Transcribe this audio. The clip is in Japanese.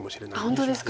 あっ本当ですか。